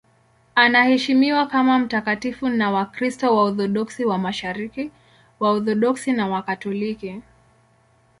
Anaheshimiwa kama mtakatifu na Wakristo Waorthodoksi wa Mashariki, Waorthodoksi na Wakatoliki.